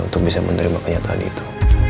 untuk bisa menerima kenyataan itu